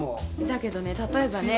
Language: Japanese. だけどね例えばね。